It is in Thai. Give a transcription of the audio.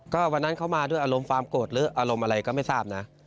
ก็วันนั้นเขามาด้วยอารมณ์ความโกรธหรืออารมณ์อะไรก็ไม่ทราบนะ